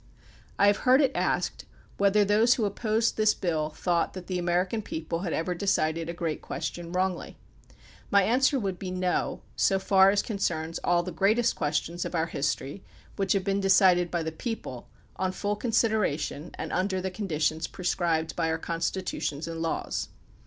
I have heard it asked whether those who opposed this bill thought that the American people had ever decided a great question wrongly. My answer would be "no" so far as concerns all the greatest questions of our history which have been decided by the people on full consideration and under the conditions prescribed by our Constitutions and laws.